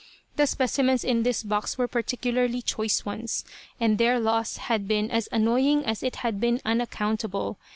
The specimens in this box were particularly choice ones, and their loss had been as annoying as it had been unaccountable.